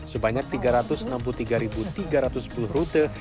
sebanyak tiga ratus enam puluh tiga tiga ratus sepuluh rute